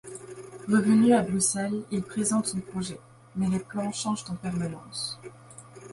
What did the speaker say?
Revenu à Bruxelles il présente son projet, mais les plans changent en permanence.